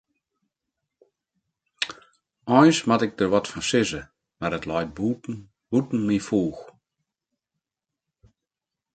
Eins moat ik der wat fan sizze, mar it leit bûten myn foech.